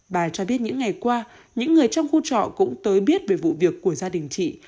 bà cho biết những ngày qua những người trong khu trọ cũng tới biết về vụ việc của gia đình chị